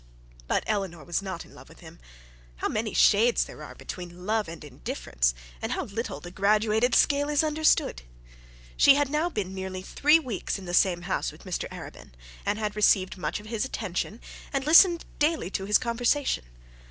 But Eleanor was not in love with him. How many shades there are between love and indifference, and how little the graduated scale is understood! She had now been nearly three weeks in the same house with Mr Arabin, and had received much of his attention, and listened daily to his conversation.